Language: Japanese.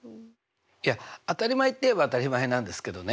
いや当たり前っていえば当たり前なんですけどね